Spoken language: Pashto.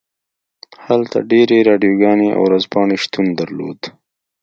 هلته ډیرې راډیوګانې او ورځپاڼې شتون درلود